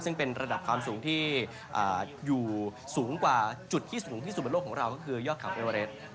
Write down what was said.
ซึ่งเป็นระดับความสูงที่อยู่สูงกว่าจุดที่สูงที่สุดบนโลกของเราก็คือยอดเขาเอเวอเรส